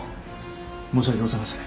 申し訳ございません。